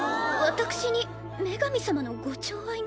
私に女神様のご寵愛が。